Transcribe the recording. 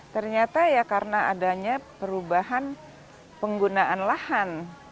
ternyata ya karena adanya perubahan penggunaan lahan